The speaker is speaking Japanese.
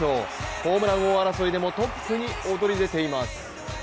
ホームラン王争いでもトップに躍り出ています。